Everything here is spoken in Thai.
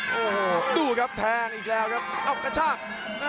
โอ้โหดูครับแทงอีกแล้วครับเอ้ากระชาก